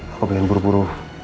aku pengen buru buru